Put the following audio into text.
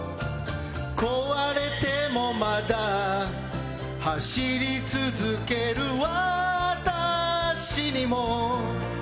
「壊れてもまだ」「走り続けるわたしにも」